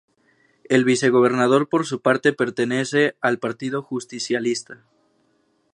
El vicegobernador por su parte pertenece al Partido Justicialista.